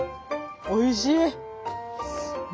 おいしい！